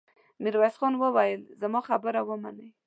ميرويس خان وويل: زما خبره ومنئ!